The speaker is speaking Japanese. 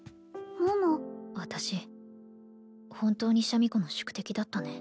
桃私本当にシャミ子の宿敵だったね